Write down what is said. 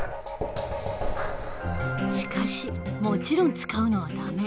しかしもちろん使うのはダメ。